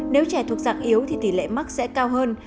nếu trẻ thuộc dạng yếu thì tỷ lệ mắc sẽ cao hơn